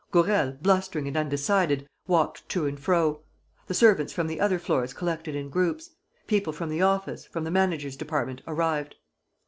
Gourel, blustering and undecided, walked to and fro. The servants from the other floors collected in groups. People from the office, from the manager's department arrived.